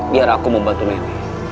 biar aku membantu nenek